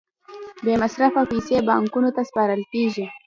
بې مصرفه پیسې بانکونو ته سپارل کېږي